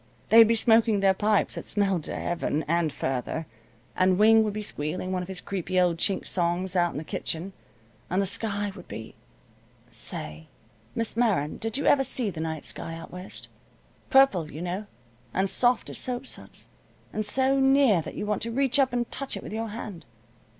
They'd be smoking their pipes that smelled to Heaven, and further, and Wing would be squealing one of his creepy old Chink songs out in the kitchen, and the sky would be say, Miss Meron, did you ever see the night sky, out West? Purple, you know, and soft as soap suds, and so near that you want to reach up and touch it with your hand.